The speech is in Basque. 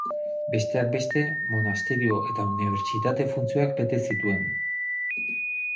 Besteak beste, monasterio eta unibertsitate funtzioak bete zituen.